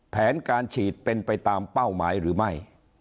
แผนการฉีดเป็นไปตามเป้าหมายหรือไม่